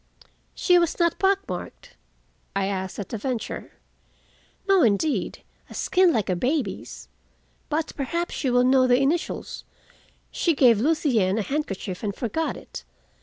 "She was not—pock marked?" I asked at a venture. "No, indeed. A skin like a baby's. But perhaps you will know the initials. She gave Lucien a handkerchief and forgot it.